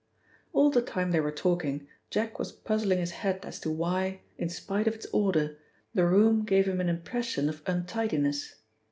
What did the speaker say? All the time they were talking Jack was puzzling his head as to why, in spite of its order, the room gave him an impression of untidiness.